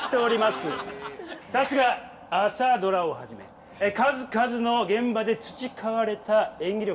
さすが朝ドラをはじめ数々の現場で培われた演技力。